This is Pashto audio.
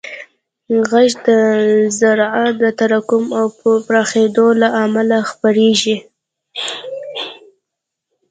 غږ د ذرّو د تراکم او پراخېدو له امله خپرېږي.